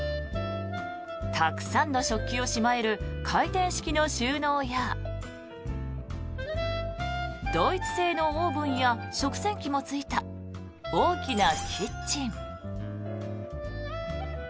たくさんの食器をしまえる回転式の収納やドイツ製のオーブンや食洗機もついた大きなキッチン。